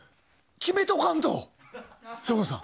決めとかんと省吾さん。